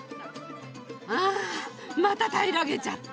ああまた平らげちゃった。